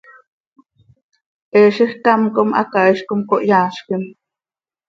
He zixcám com hacaaiz com cohyaazquim.